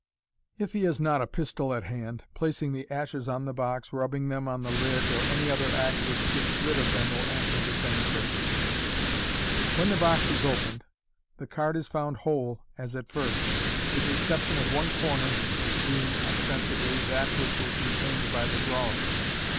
(If he has not a pistol at hand, placing the ashes on the box, rubbing them on the Isi, or any othe: act which gets rid 0/ 140 MODERN MAGIC. them will answer the same purpose.) When the box is opened, the card is found whole as at first, with the exception of one corner, being (osten sibly) that which was retained by the drawer.